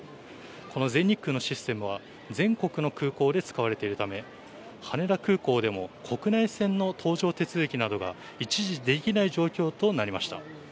この全日空のシステムは全国の空港で使われているため羽田空港でも国内線の搭乗手続きなどが一時できない状況となりました。